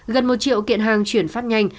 gần một triệu kiện hàng chuyển phát nhanh